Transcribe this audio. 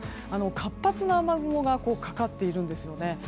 活発な雨雲がかかっているんですよね。